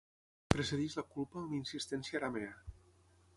Precedeix la culpa amb insistència aramea.